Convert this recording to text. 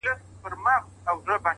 و موږ ته يې د زلفو ښاماران مبارک;